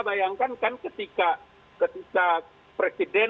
bayangkan kan ketika presiden